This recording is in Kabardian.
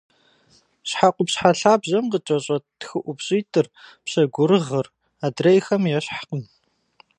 Щхьэ къупщхьэ лъабжьэм къыкӏэщӏэт тхыӏупщӏитӏыр – пщэгурыгъыр – адрейхэм ещхькъым.